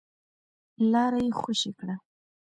لاره يې خوشې کړه.